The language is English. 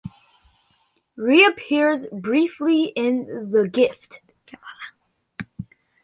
Reappears briefly in "The Gift".